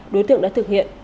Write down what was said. đối tượng đã thực hiện